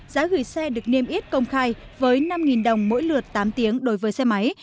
giá gửi xe được niêm yết công khai với năm đồng mỗi lượt tám tiếng đối với xe máy